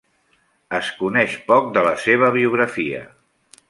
Es coneix poc de la seva biografia.